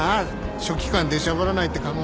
書記官出しゃばらないって考え。